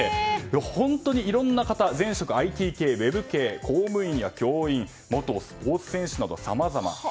本当にいろいろな方前職、ＩＴ系、ウェブ系公務員や教員元スポーツ選手などさまざまで。